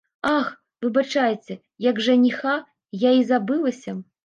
Ах, выбачайце, як жаніха, я і забылася!